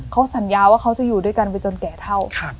เขาสัญญาว่าเขาจะอยู่ด้วยกันไปจนแก่เท่า